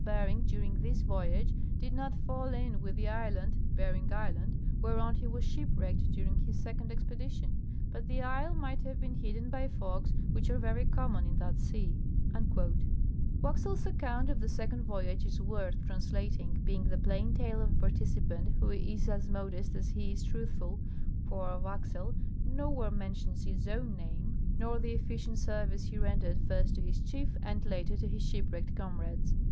Bering during this voyage did not fall in with the island (Bering island) whereon he was shipwrecked during his second expedition ; but the isle might have been hidden by fogs, which are very common in that sea." Waxel's account of the second voyage is worth translating, being the plain tale of a participant, who is as modest as he is truthful, for Waxel nowhere mentions his own name nor the 224 General A. W. Greely — Bering's First Voyage. efficient service he rendered first to his cliief and later to his shipwrecked comrades.